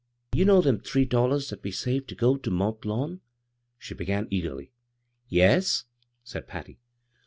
"You know them three dollars that we saved to go to Mont Lawn," she began eagerly. " Yes," said Patty.